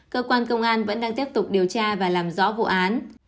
cơ quan công an vẫn đang tiếp tục điều tra và làm rõ vụ án